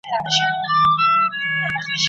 لکه څاڅکی، لکه سیند